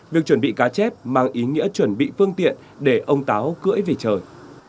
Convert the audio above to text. việc chuẩn bị cá chép mang ý nghĩa chuẩn bị phương tiện để ông táo cưỡi về trời